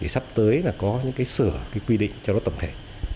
sắp tới là có những cái sửa cái quy định cho nó tổng thể